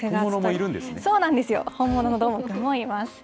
そうなんですよ、本物のどーもくんもいます。